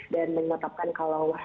dan mengetapkan kalau